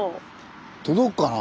届くかな。